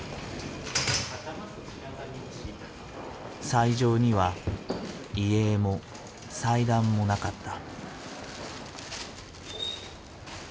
斎場には遺影も祭壇もなかった。